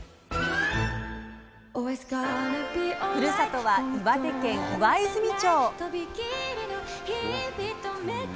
ふるさとは岩手県岩泉町。